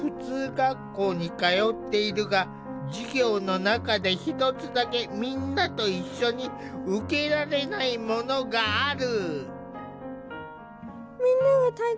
学校に通っているが授業の中で一つだけみんなと一緒に受けられないものがある。